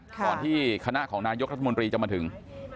ก่อนที่คณะของนายกรัฐมนตรีจะมาถึง